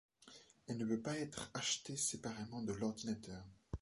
Elle ne peut pas être achetée séparément de l'ordinateur.